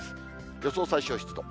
予想最小湿度。